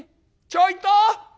「ちょいと！